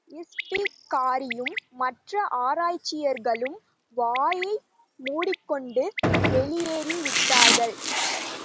இஸ்பிகாரியும் மற்ற ஆராய்ச்சியாளர்களும், வாயை மூடிக்கொண்டு வெளியேறி விட்டார்கள்.